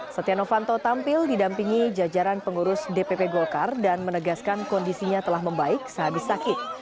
setia novanto tampil didampingi jajaran pengurus dpp golkar dan menegaskan kondisinya telah membaik sehabis sakit